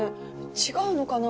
違うのかな？